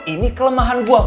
ini kelemahan gue